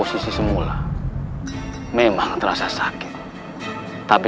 diletak semoga siap